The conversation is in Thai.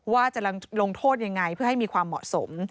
ว่าจะลงโทษยังไงเพื่อให้มีความเหมาะสม